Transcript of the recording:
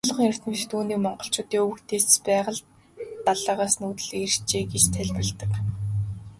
Олонх эрдэмтэд үүнийг монголчуудын өвөг дээдэс Байгал далайгаас нүүдэллэн иржээ гэж тайлбарладаг.